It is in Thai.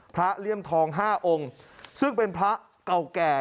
เลี่ยมทอง๕องค์ซึ่งเป็นพระเก่าแก่